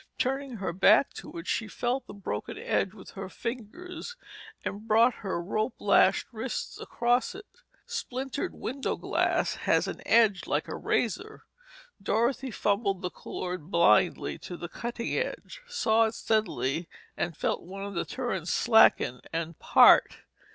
Turning her back to it, she felt for the broken edge with her fingers and brought her rope lashed wrists across it. Splintered window glass has an edge like a razor. Dorothy fumbled the cord blindly to the cutting edge, sawed steadily and felt one of the turns slacken and part.